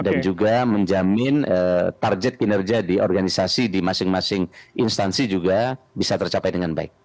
dan juga menjamin target kinerja di organisasi di masing masing instansi juga bisa tercapai dengan baik